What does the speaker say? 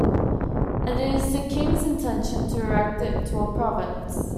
And it is the King's intention to erect it into a province.